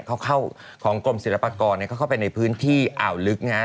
สมัครของกลมศิลปกรณ์เข้าไปในพื้นที่อ่าวลึก